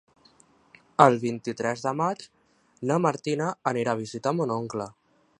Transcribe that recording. El vint-i-tres de maig na Martina anirà a visitar mon oncle.